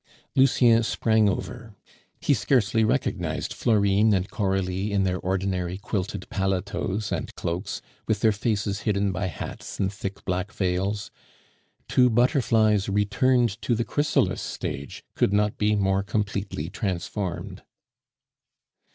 Lucien sprang over. He scarcely recognized Florine and Coralie in their ordinary quilted paletots and cloaks, with their faces hidden by hats and thick black veils. Two butterflies returned to the chrysalis stage could not be more completely transformed.